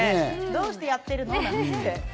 どうしてやってるのって。